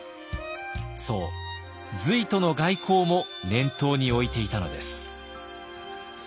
そう隋との外交も念頭に置いていたのです。